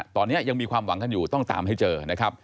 ตอนนี้ยังมีความหวังกันอยู่ต้องตามให้เจอนะครับ